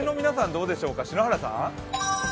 どうでしょうか、篠原さん？